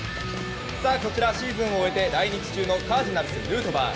こちら、シーズンを終えて来日中のカージナルス、ヌートバー。